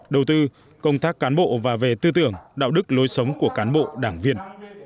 đầu tư công tác cán bộ và về tư tưởng đạo đức lối sống của cán bộ đảng viên